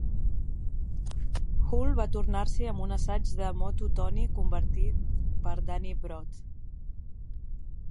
Hull va tornar-s'hi amb un assaig de Motu Tony convertit per Danny Brough.